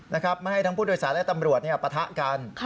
ไม่ให้ทั้งผู้โดยสารและตำรวจปะทะกัน